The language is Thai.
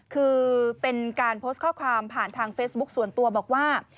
คือเป็นการโพสต์ข้อความผ่านทางเฟซบุ๊คส่วนตัวบอกว่า